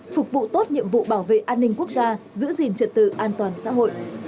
phục vụ tốt nhiệm vụ bảo vệ an ninh quốc gia giữ gìn trật tự an toàn xã hội